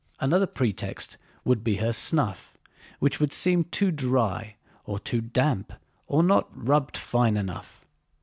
Another pretext would be her snuff, which would seem too dry or too damp or not rubbed fine enough.